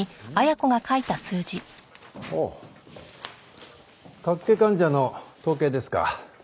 おお脚気患者の統計ですか。